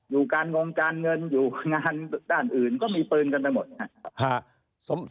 อยู่การงงการเงินอยู่งานด้านอื่นก็มีปืนกันไปหมดนะครับ